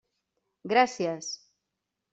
Gràcies!